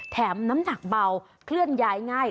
น้ำหนักเบาเคลื่อนย้ายง่าย